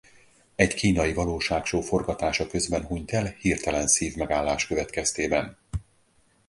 Egy kínai valóságshow forgatása közben hunyt el hirtelen szívmegállás következtében.